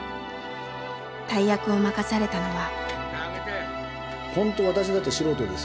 大役を任されたのは。